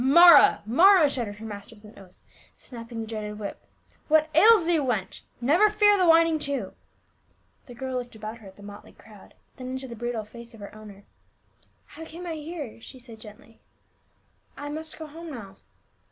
"Mara, Mara!" shouted her master with an oath, snapping the dreaded whip. " What ails thee, wench ; never fear the whining Jew !" The girl looked about her at the motley crowd, then into the brutal face of her owner. " How came I here?" she said gently. "I must go home now."